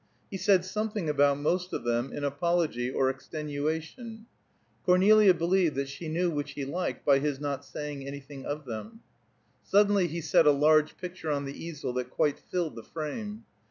He said something about most of them, in apology or extenuation; Cornelia believed that she knew which he liked by his not saying anything of them. Suddenly he set a large picture on the easel that quite filled the frame.